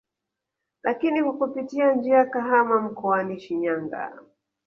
Lakini kwa kupitia njia Kahama mkoani Shinyanaga